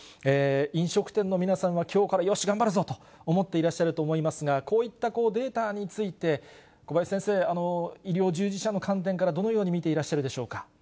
飲食店の皆さんはきょうからよし頑張るぞと思っていらっしゃると思いますが、こういったデータについて、小林先生、医療従事者の観点からどのように見ていらっしゃるでしょうか。